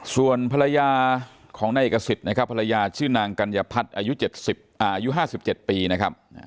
ส่วนภรรยาของในในเกษตรนะครับภรรยาชื่อนางกัญญพัฒน์อายุ๑๗อ่าอายุ๕๗ปีนะครับ